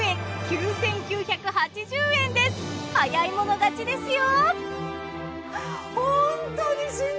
早い者勝ちですよ。